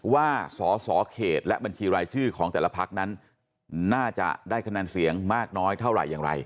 ว่าสสเขตและบัญชีรายชื่อของแต่ละพักนั้นน่าจะได้คะแนนเสียงมากน้อยเท่าไหร่อย่างไร